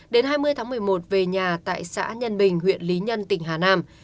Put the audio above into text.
đến hai mươi tháng một mươi một về nhà tại xã nhân bình huyện lý nhân tỉnh hà nam